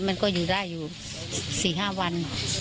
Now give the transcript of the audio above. มันก็อยู่ได้อยู่๔๕วัน